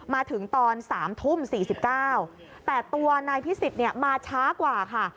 มาถึงตอน๓ทุ่ม๔๙แต่ตัวนายพิสิทธิ์เนี่ยมาช้ากว่าค่ะ